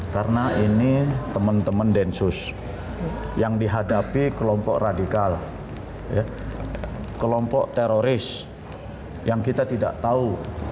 karena ini teman teman densus yang dihadapi kelompok radikal kelompok teroris yang kita tidak tahu